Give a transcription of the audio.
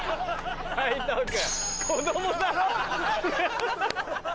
斉藤君。